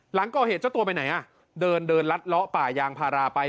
หลังก่อเหตุเจ้าตัวไปไหนอ่ะเดินเดินลัดเลาะป่ายางพาราไป